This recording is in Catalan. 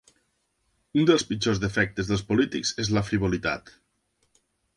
Un dels pitjors defectes dels polítics és la frivolitat.